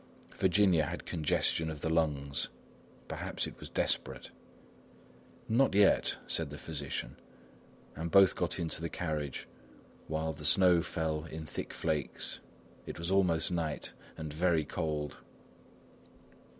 Virginia had congestion of the lungs; perhaps it was desperate. "Not yet," said the physician, and both got into the carriage, while the snow fell in thick flakes. It was almost night and very cold.